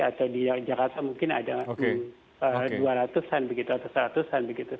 atau di jakarta mungkin ada dua ratus an